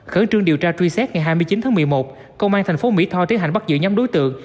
khẩn trương điều tra truy xét ngày hai mươi chín tháng một mươi một công an thành phố mỹ tho tiến hành bắt giữ nhóm đối tượng